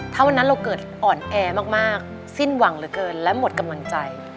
ถ้าวันนั้นเราเกิดอ่อนแอมากสิ้นหวังเหลือเกินและหมดกำลังใจ